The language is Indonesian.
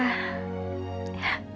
kamu lagi seneng